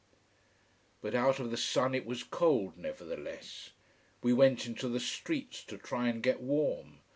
But out of the sun it was cold, nevertheless. We went into the streets to try and get warm.